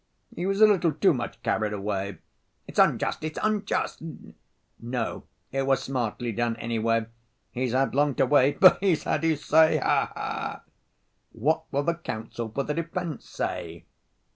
"He was a little too much carried away." "It's unjust, it's unjust." "No, it was smartly done, anyway. He's had long to wait, but he's had his say, ha ha!" "What will the counsel for the defense say?"